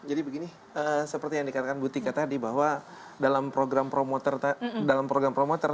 jadi begini seperti yang dikatakan butika tadi bahwa dalam program promoter